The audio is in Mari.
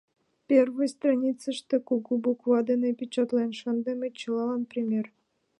Первый страницыште кугу буква дене печатлен шындыме: «Чылалан пример».